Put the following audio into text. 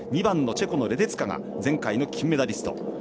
２番のチェコのレデツカが前回の金メダリスト。